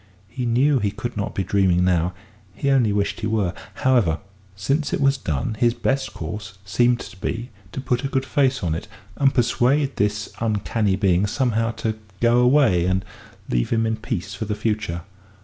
He knew he could not be dreaming now he only wished he were. However, since it was done, his best course seemed to be to put a good face on it, and persuade this uncanny being somehow to go away and leave him in peace for the future.